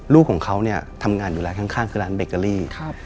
ลูกของเขาทำงานอยู่แล้วข้างคือร้านเบเกอรี่